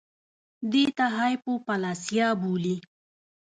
دې ته هایپوپلاسیا بولي